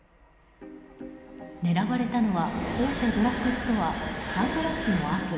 狙われたのは大手ドラッグストアサンドラッグのアプリ。